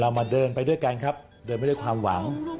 มาเดินไปด้วยกันครับเดินไปด้วยความหวัง